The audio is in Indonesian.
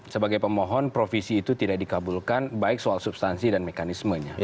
sebagai pemohon provisi itu tidak dikabulkan baik soal substansi dan mekanismenya